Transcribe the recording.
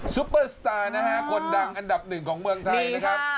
ซุปเปอร์สตาร์นะฮะคนดังอันดับหนึ่งของเมืองไทยนะครับ